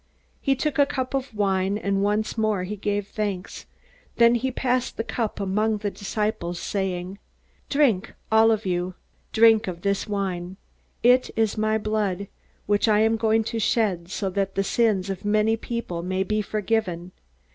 He took a cup of wine, and once more he gave thanks. Then he passed the cup among the disciples, saying: "Drink all of you drink of this wine. It is my blood, which I am going to shed so that the sins of many people may be forgiven.